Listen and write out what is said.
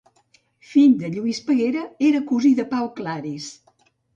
Fill de Lluís Peguera, era cosí de Pau Claris.